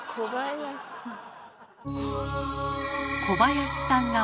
小林さん？